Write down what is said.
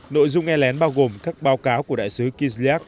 nội dung nghe lén bao gồm các báo cáo của đại sứ kizia